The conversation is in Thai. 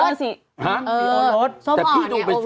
นี่ให้รูปอล์สสิ